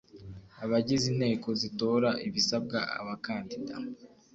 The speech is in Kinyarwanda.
abagize inteko zitora ibisabwa abakandida